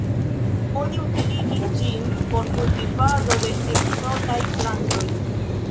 Oni utiligis ĝin por kultivado de ekzotaj plantoj.